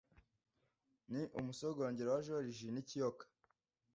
Ni umusogongero wa Joriji nikiyoka